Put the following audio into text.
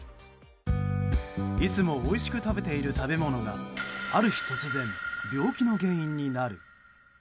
いつもおいしく食べている食べ物がある日突然、病気の原因になる。